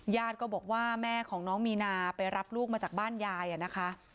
ก็บอกว่าแม่ของน้องมีนาไปรับลูกมาจากบ้านยายนะคะ